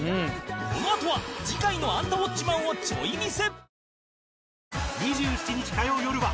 このあとは次回の『アンタウォッチマン！』をちょい見せ